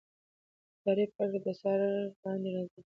اداري پرېکړه د څار لاندې راځي.